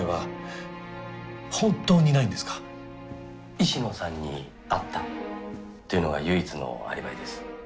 石野さんに会ったというのが唯一のアリバイです。